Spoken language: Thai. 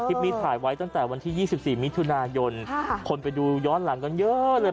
คลิปนี้ถ่ายไว้ตั้งแต่วันที่๒๔มิถุนายนคนไปดูย้อนหลังกันเยอะเลย